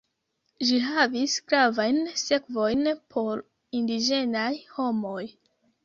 Ĝi havis gravajn sekvojn por indiĝenaj homoj.